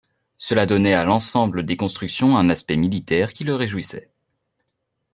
Cela donnait à l’ensemble des constructions un aspect militaire qui le réjouissait.